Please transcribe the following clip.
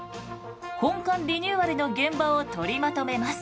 本館リニューアルの現場を取りまとめます。